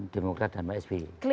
demokrat dan pak sb